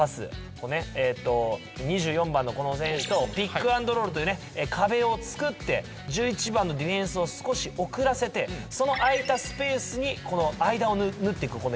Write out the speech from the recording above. ここねえっと２４番のこの選手とピックアンドロールというね壁を作って１１番のディフェンスを少し遅らせてその空いたスペースに間を縫っていくこれ。